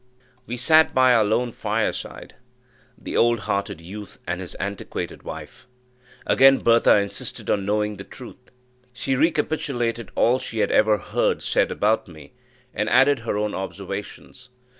We sat by our lone fireside the old hearted youth and his antiquated wife. Again Bertha insisted on knowing the truth; she recapitulated all she had ever heard said about me, and added her own observations.